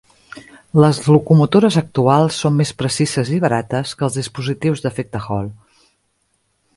Les locomotores actuals són més precises i barates que els dispositius d'efecte Hall.